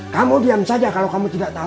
kamu diam saja kalau kamu tidak tahu